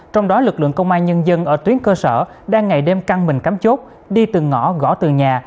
trong đó lực lượng công an nhân dân ở tuyến cơ sở đang ngày đêm căng mình cắm chốt đi từ ngõ gõ từ nhà